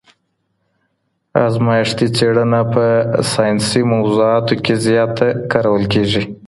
ازمایښتي څېړنه په ساینسي موضوعاتو کي زیاته کارول کيږي.